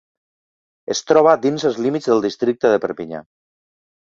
Es troba dins els límits del Districte de Perpinyà.